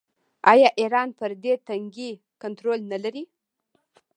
آیا ایران پر دې تنګي کنټرول نلري؟